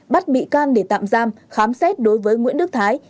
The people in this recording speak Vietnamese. bắt bị can để tạm giam khám xét đối với nguyễn đức thái